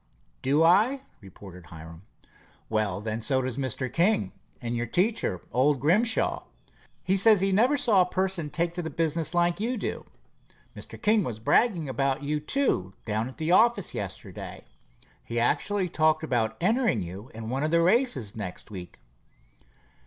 "Do I?" retorted Hiram. "Well, then, so does Mr. King. And your teacher, old Grimshaw. He says he never saw a person take to the business like you do. Mr. King was bragging about you, too, down at the office yesterday. He actually talked about entering you in one of the races next week."